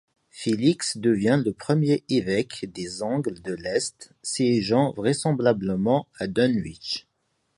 Félix devient le premier évêque des Angles de l'Est, siégeant vraisemblablement à Dunwich.